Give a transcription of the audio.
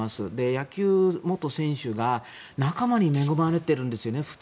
野球元選手は、普通は仲間に恵まれてるんですよね